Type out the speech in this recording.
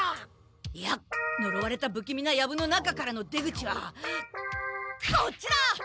いやのろわれたぶきみなヤブの中からの出口はこっちだ！